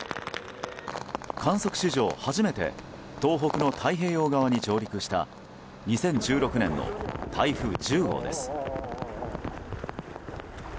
観測史上初めて東北の太平洋側に上陸した２０１６年の台風１０号です。